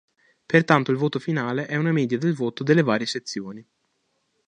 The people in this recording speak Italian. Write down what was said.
Pertanto il voto finale è una media del voto delle varie sezioni.